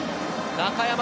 中山